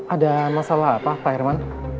ada masalah apa pak herman